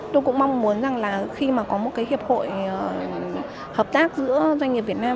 tôi cũng mong muốn rằng là khi mà có một cái hiệp hội hợp tác giữa doanh nghiệp việt nam